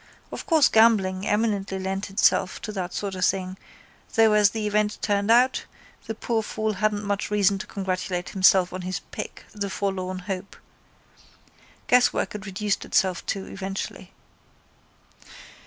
Of course gambling eminently lent itself to that sort of thing though as the event turned out the poor fool hadn't much reason to congratulate himself on his pick, the forlorn hope. Guesswork it reduced itself to eventually.